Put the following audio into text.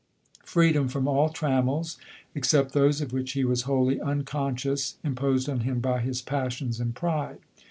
Freedom from all trammels, ex cept those of which he was wholly unconscious, imposed on him by his passions and pride.